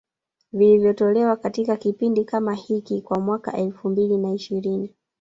vilivyotolewa katika kipindi kama hiki kwa mwaka elfu mbili na ishirini